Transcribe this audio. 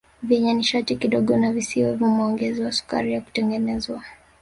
Vyenye nishati kidogo na visiwe vimeongezwa sukari ya kutengenezwa